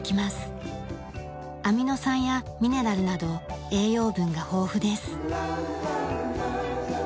アミノ酸やミネラルなど栄養分が豊富です。